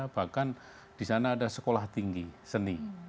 bahkan di sana ada sekolah tinggi seni